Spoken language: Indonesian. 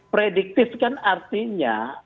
prediktif kan artinya